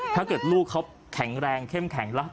ถ้าเกิดลูกเขาแข็งแรงเข้มแข็งละ